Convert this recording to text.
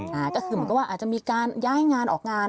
ก็คือเหมือนกับว่าอาจจะมีการย้ายงานออกงาน